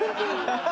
ハハハ！